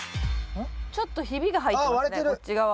ちょっとひびが入ってますねこっち側。